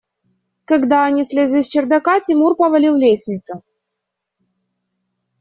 Когда они слезли с чердака, Тимур повалил лестницу.